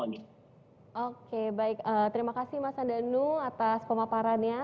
oke baik terima kasih mas andanu atas pemaparannya